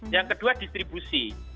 yang kedua distribusi